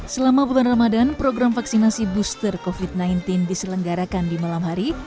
selama bulan ramadan program vaksinasi booster covid sembilan belas diselenggarakan di malam hari